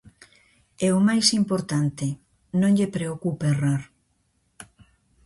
E o máis importante, non lle preocupa errar.